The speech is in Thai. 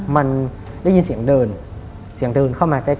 มันได้ยินเสียงเดินเสียงเดินเข้ามาใกล้